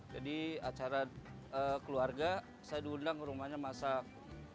jadi acara keluarga saya diundang ke rumahnya masak